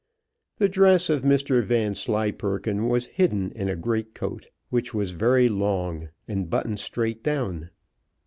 The dress of Mr Vanslyperken was hidden in a great coat, which was very long, and buttoned straight down.